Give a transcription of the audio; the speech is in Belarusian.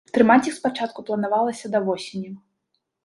Трымаць іх спачатку планавалася да восені.